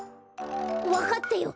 わかったよ！